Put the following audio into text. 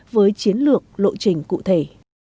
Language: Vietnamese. với chiến lược lộ trình cụ thể